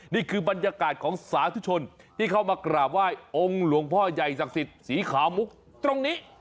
นี่คือบรรยากาศของสาธุชนที่เข้ามากราบไหว้องค์หลวงพ่อใหญ่ศักดิ์สิทธิ์สีขาวมุกตรงนี้